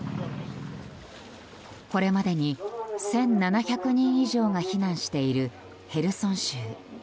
これまでに１７００人以上が避難している、ヘルソン州。